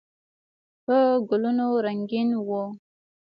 په ګلونو رنګین و.